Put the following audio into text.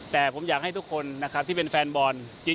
แต่ผมอยากให้ทุกคนที่เป็นแฟนบอร์น